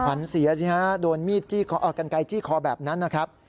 เสียสิฮะโดนมีดกันไกลจี้คอแบบนั้นนะครับ